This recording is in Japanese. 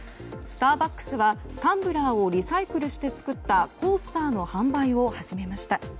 スターバックスはタンブラーをリサイクルして作ったコースターの販売を始めました。